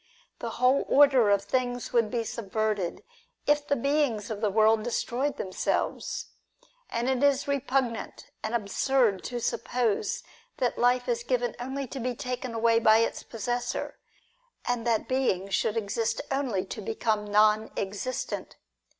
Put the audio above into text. The whole order of things would be subverted if the beings of the world destroyed them selves. And it is repugnant and absurd to suppose that life is given only to be taken away by its possessor, and that beings should exist only to become non existent.